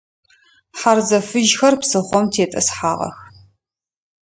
Хьарзэ фыжьхэр псыхъом тетӏысхьагъэх.